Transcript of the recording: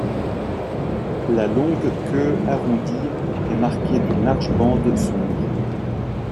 La longue queue arrondie est marquée d'une large bande sombre.